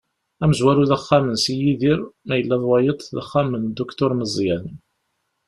Amezwaru d axxam n si Yidir, ma yella d wayeḍ d axxam n Dduktur Meẓyan.